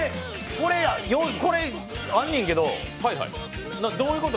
これ、あんねんけどどういうこと？